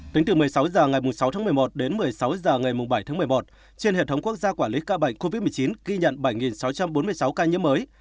tính từ một mươi sáu h ngày sáu tháng một mươi một đến một mươi sáu h ngày bảy tháng một mươi một trên hệ thống quốc gia quản lý ca bệnh covid một mươi chín ghi nhận bảy sáu trăm bốn mươi sáu ca nhiễm mới